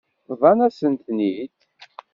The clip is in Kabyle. Bḍan-asen-ten-id.